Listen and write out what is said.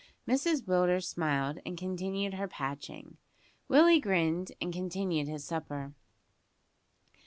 Mrs Willders smiled and continued her patching; Willie grinned and continued his supper.